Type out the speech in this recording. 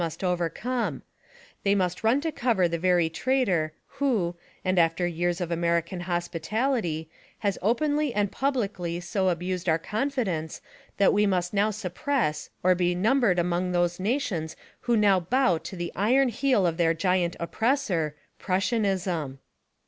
must overcome: They must run to cover the very traitor who, and after years of American hospitality, has openly and pubHcly so abused our confidence that we must now suppress or be numbered among those nations who now bow to the iron heel of their giant oppressor — Prussianism.